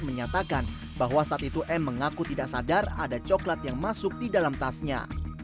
menyatakan bahwa saat itu m mengaku tidak sadar ada coklat yang masuk di dalam tasnya